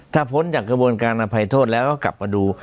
ถ้าพ้นจากกระบวนการอภัยโทษแล้วก็กลับมาดู